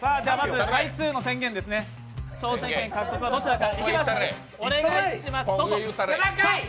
回数の宣言ですね、挑戦権獲得はどちらか？